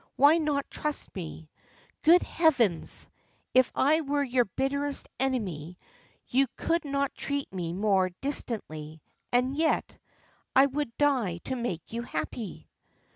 Why not trust me? Good heavens! if I were your bitterest enemy you could not treat me more distantly. And yet I would die to make you happy."